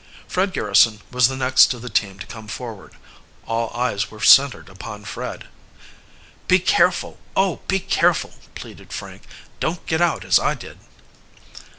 Fred Garrison was the next of the team to come forward. All eyes were centered upon Fred. "Be careful, oh, be careful!" pleaded Frank. "Don't get out as I did!"